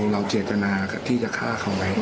เราเจตนาที่จะฆ่าเขาไหม